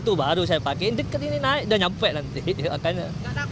tidak takut keselamatannya